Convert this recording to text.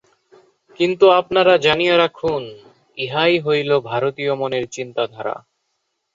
কিন্তু আপনারা জানিয়া রাখুন, ইহাই হইল ভারতীয় মনের চিন্তাধারা।